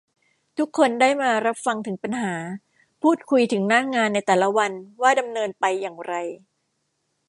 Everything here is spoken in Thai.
ทุกคนได้มารับฟังถึงปัญหา พูดคุยถึงหน้างานในแต่ละวันว่าดำเนินไปอย่างไร